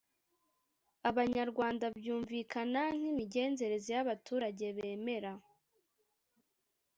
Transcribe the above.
Abanyarwanda byumvikana nk imigenzereze y abaturage bemera